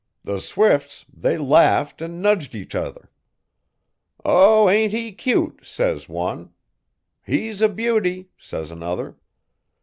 The swifts they laughed an' nudged each other. '"O ain't he cute!" says one. "He's a beauty!" says another.